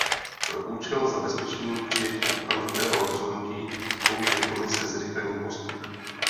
Pro účel zabezpečení přijetí okamžitého rozhodnutí použije Komise zrychlený postup.